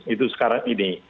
itu sekarang ini